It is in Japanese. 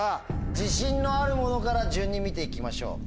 自信のあるものから順に見ていきましょう。